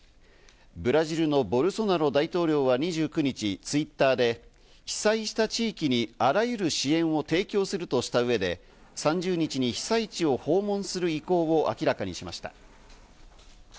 ブラジルのボルソナロ大統領は２９日Ｔｗｉｔｔｅｒで被災した地域にあらゆる支援を提供するとしたうえで３０日に被災地を訪問する意向を明らかにしました。